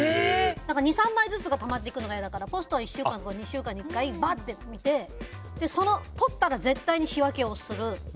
２３枚ずつくらいたまっていくのが嫌だからポストを１週間に１回くらいバッと見て取ったら絶対に仕分けをする。